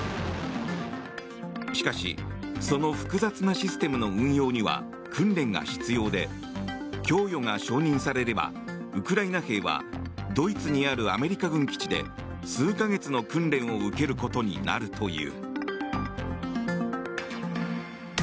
しかし、その複雑なシステムの運用には訓練が必要で供与が承認されればウクライナ兵はドイツにあるアメリカ軍基地で数か月の訓練を受けることになるという。